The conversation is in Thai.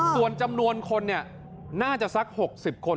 ส่วนจำนวนคนเนี้ยน่าจะสักหกสิบคน